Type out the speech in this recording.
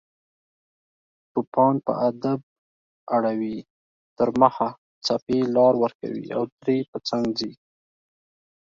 توپان په ادب اړوي تر مخه، څپې لار ورکوي او ترې په څنګ ځي